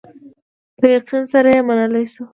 په یقین سره یې منلای شو.